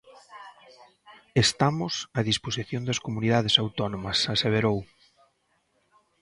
Estamos a disposición das comunidades autónomas, aseverou.